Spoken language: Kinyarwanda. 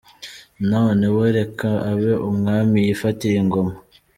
None we reka abe umwami yifatire ingoma